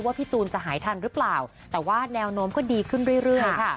พี่ตูนจะหายทันหรือเปล่าแต่ว่าแนวโน้มก็ดีขึ้นเรื่อยค่ะ